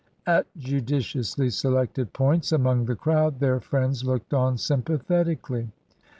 At judiciously selected points among the crowd their friends looked on sympathetically.